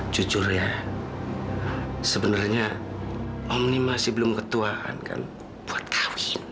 jujur ya sebenarnya om ini masih belum ketuaan kan buat kawin